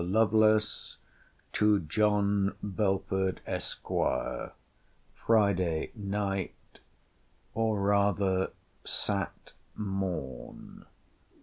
LOVELACE, TO JOHN BELFORD, ESQ. FRIDAY NIGHT, OR RATHER SAT. MORN.